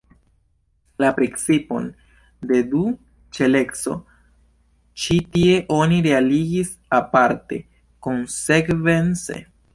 La principon de du-ŝeleco ĉi tie oni realigis aparte konsekvence.